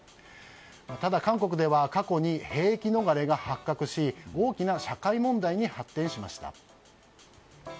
ただ、韓国では過去に兵役逃れが発覚し大きな社会問題に発展しました。